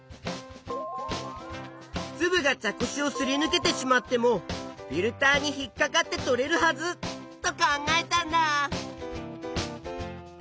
つぶが茶こしをすりぬけてしまってもフィルターにひっかかって取れるはずと考えたんだ。